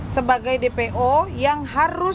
sebagai dpo yang harus